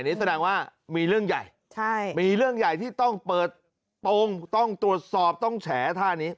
นี่แสดงว่ามีเรื่องใหญ่มีเรื่องใหญ่ที่ต้องเปิดโปรงต้องตรวจสอบต้องแฉท่านี้